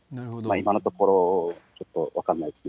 今のところ、ちょっと分からないですね。